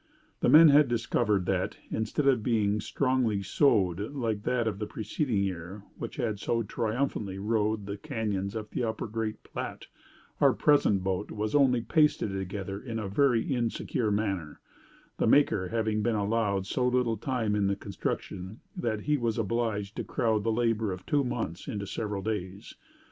The men had discovered that, instead of being strongly sewed (like that of the preceding year, which had so triumphantly rode the cañons of the Upper Great Platte), our present boat was only pasted together in a very insecure manner, the maker having been allowed so little time in the construction that he was obliged to crowd the labor of two months into several days.